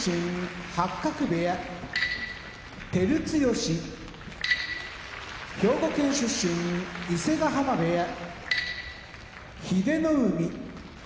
八角部屋照強兵庫県出身伊勢ヶ濱部屋英乃海